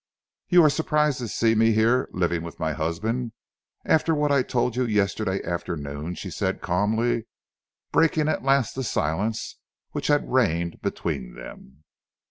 "You are surprised to see me here living with my husband, after what I told you yesterday afternoon?" she said calmly, breaking at last the silence which had reigned between them.